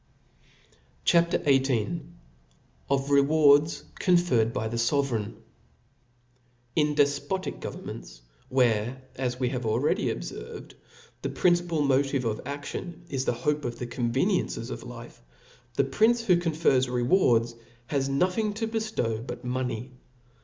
CHAP. XVIlf. Of Rewards conferred by the Sovereign 4 T N defpotic governments, where, as we have aU •*• ready obferved, the principal motive of aftion is the hope of the convcniencies of life, the prince who confers rewards has nothing to bellow but money.